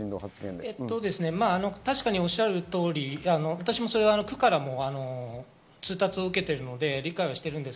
確かにおっしゃる通り、私は区からも通達を受けているので理解はしています。